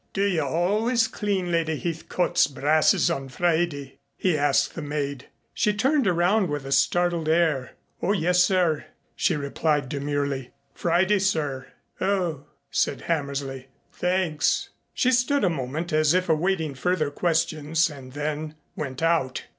"Do you always clean Lady Heathcote's brasses on Friday?" he asked the maid. She turned around with a startled air. "Oh, yes, sir," she replied demurely. "Friday, sir." "Oh!" said Hammersley. "Thanks." She stood a moment as if awaiting further questions and then went out.